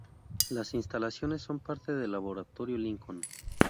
Las instalaciones son parte del Laboratorio Lincoln.